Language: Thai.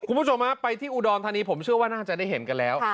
คุณผู้ชมฮะไปที่อุดรธานีผมเชื่อว่าน่าจะได้เห็นกันแล้ว